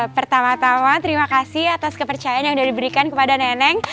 pertama tama terima kasih atas kepercayaan yang sudah diberikan kepada neneng